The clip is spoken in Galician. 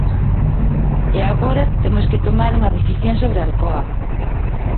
E agora temos que tomar unha decisión sobre Alcoa.